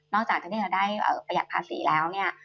จากที่จะได้ประหยัดภาษีแล้วเนี่ย